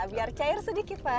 biar cair sedikit pak